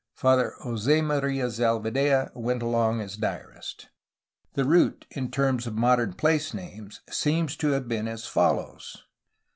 Father Jose Maria Zalvidea went along as diarist. The route, in terms of modern place names^, seems to have been as follows.